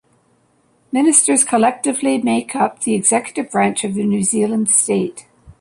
Ministers collectively make up the executive branch of the New Zealand state.